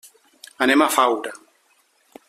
Anem a Faura.